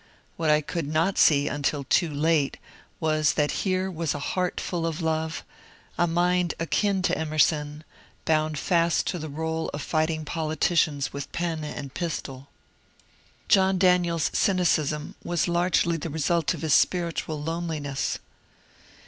What I could not see until too late was that here was a heart full of love, a mind akin to Emerson, bound fast to the role of fighting politicians with pen and pistol. John WEBSTER AND CLAY 81 DanieFs oynioism was largely the result of his spiritual lone liness.